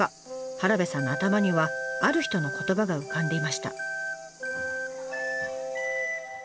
原部さんの頭にはある人の言葉が浮かんでいました。